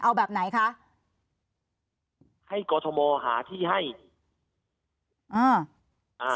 เอาแบบไหนคะให้กฎธมอร์หาที่ให้อ่า